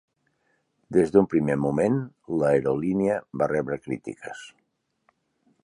Des d'un primer moment, l'aerolínia va rebre crítiques.